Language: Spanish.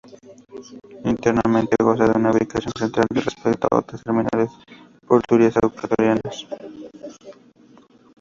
Internamente, goza de una ubicación central respecto a otras terminales portuarias ecuatorianas.